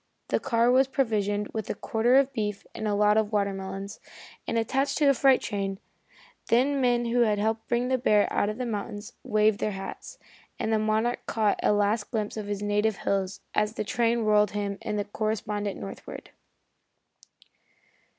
The car was provisioned with a quarter of beef, and a lot of watermelons, and attached to a freight train, then men who had helped to bring the bear out of the mountains waved their hats, and the Monarch caught a last glimpse of his native hills as the train whirled him and the correspondent northward.